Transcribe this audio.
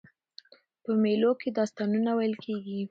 په مېلو کښي داستانونه ویل کېږي.